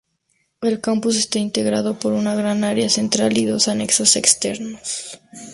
El campus está integrado por una gran área central y dos anexos externos.